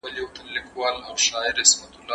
پر وړو لویو خبرو نه جوړېږي